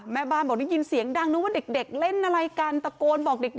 แม่บ้านบอกได้ยินเสียงดังนึกว่าเด็กเล่นอะไรกันตะโกนบอกเด็ก